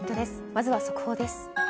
まずは速報です。